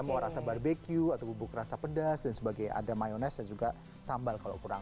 mau rasa barbecue atau bubuk rasa pedas dan sebagainya ada mayonese dan juga sambal kalau kurang